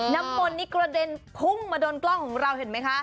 น้ำมนต์นี่กระเด็นพุ่งมาโดนกล้องของเราเห็นไหมคะ